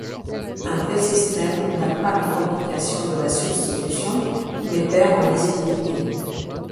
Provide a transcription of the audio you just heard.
Un tel système n'a pas les complications de la substitution, mais perd en lisibilité.